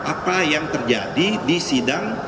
apa yang terjadi di sidang